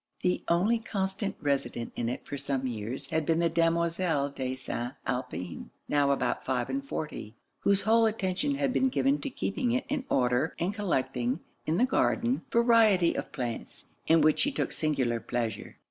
The only constant resident in it for some years had been the Demoiselle de St. Alpin, now about five and forty; whose whole attention had been given to keeping it in order, and collecting, in the garden, variety of plants, in which she took singular pleasure.